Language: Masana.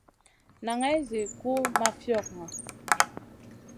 Naŋay zi gu ma fiogŋa.